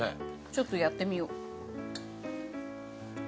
ちょっとやってみよう。